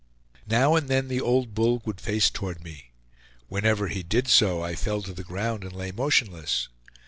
Now and then the old bull would face toward me; whenever he did so I fell to the ground and lay motionless.